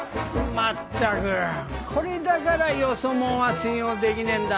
まったくこれだからよそ者は信用できねえんだ。